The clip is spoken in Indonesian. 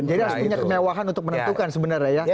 jadi harus punya kemewahan untuk menentukan sebenarnya ya